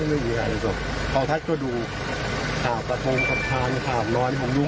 วันนี้ไม่ได้ดูเพราะรอทางนี้อยู่